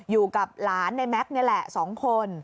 อยู่กับหลานในแม็กซ์นี่แหละ๒คน